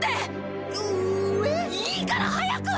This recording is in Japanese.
いいから早く！